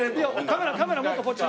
カメラカメラもっとこっち。